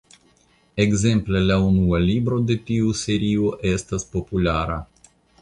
Ekzemple la unua libro de tiu serio estas populara.